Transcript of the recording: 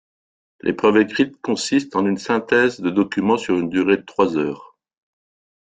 L'épreuve écrite consiste en une synthèse de documents sur une durée de trois heures.